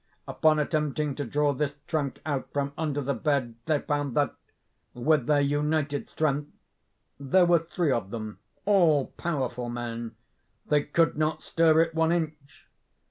Upon attempting to draw this trunk out from under the bed, they found that, with their united strength (there were three of them, all powerful men), they 'could not stir it one inch.